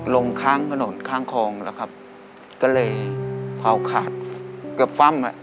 ลงข้างถนนข้างคลองละครับก็เลยพาลกาลกับฟัมอ่ะ